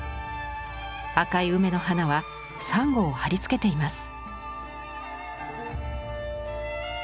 赤い梅の花はさんごを貼り付けています。